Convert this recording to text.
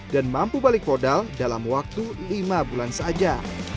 dan mampu balik modal dalam waktu lima bulan saja